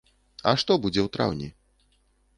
А што будзе ў траўні?